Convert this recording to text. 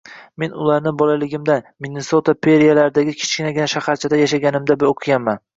Men ularni bolagtigimdan, Minnesota preriyalaridagi kichkinagina shaharchada yashaganimda o‘qiganman